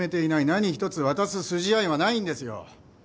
何一つ渡す筋合いはないんですよ。